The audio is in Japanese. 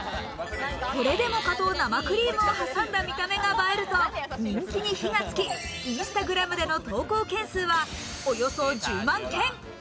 これでもかと生クリームを挟んだ見た目が映えると人気に火がつき、インスタグラムでの投稿件数はおよそ１０万件。